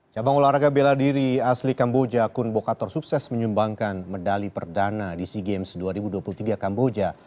cabang olahraga bela diri asli kamboja kun bokator sukses menyumbangkan medali perdana di sea games dua ribu dua puluh tiga kamboja